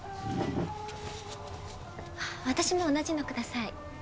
私も同じのください。